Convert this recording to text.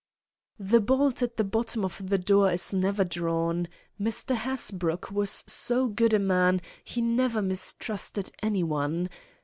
"The bolt at the bottom of the door is never drawn. Mr. Hasbrouck was so good a man he never mistrusted any one.